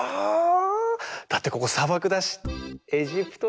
だってここさばくだしエジプトだし。